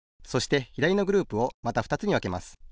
そしてひだりのグループをまたふたつにわけます。